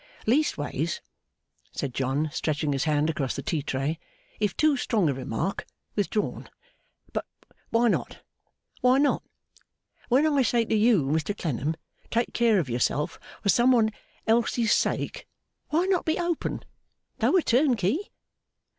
'Leastways,' said John, stretching his hand across the tea tray, 'if too strong a remark, withdrawn! But, why not, why not? When I say to you, Mr Clennam, take care of yourself for some one else's sake, why not be open, though a turnkey?